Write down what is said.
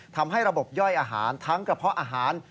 ทำให้ระบบย่อยอาหารทั้งกระเพาะอาหาร